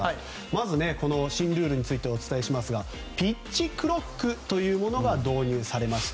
まず、新ルールについてお伝えしますがピッチクロックというものが導入されました。